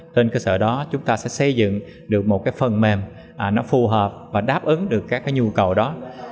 trên cơ sở đó chúng ta sẽ xây dựng được một cái phần mềm nó phù hợp và đáp ứng được các cái nhu cầu đó